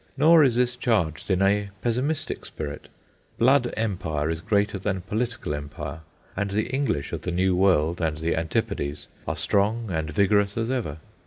Nor is this charged in a pessimistic spirit. Blood empire is greater than political empire, and the English of the New World and the Antipodes are strong and vigorous as ever.